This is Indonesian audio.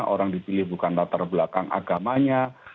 orang dipilih bukan latar belakang agamanya